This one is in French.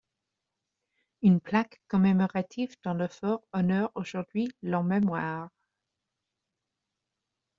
Une plaque commémorative dans le fort honore aujourd'hui leur mémoire.